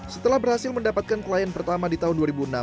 setelah berhasil mendapatkan klien pertama di tahun dua ribu enam